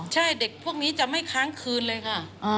ใช่เด็กพวกนี้จะไม่ค้างคืนเลยค่ะ